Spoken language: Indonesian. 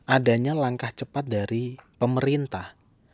adanya langkah cepat dari pemerintah